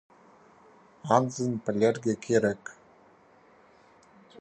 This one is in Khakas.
Анзын пілерге кирек.